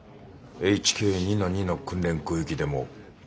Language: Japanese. ＨＫ２−２の訓練空域でも可能か？